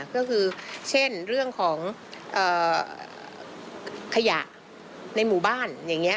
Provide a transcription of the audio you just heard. ก็คือเช่นเรื่องของขยะในหมู่บ้าน